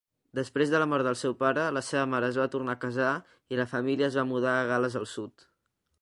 Després de la mort del seu pare, la seva mare es va tornar a casar i la família es va mudar a Gal·les el Sud.